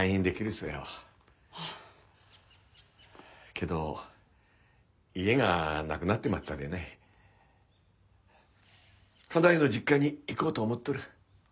けど家がなくなってまったでね家内の実家に行こうと思っとる。